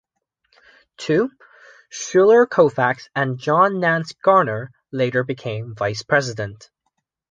Two, Schuyler Colfax and John Nance Garner, later became vice president.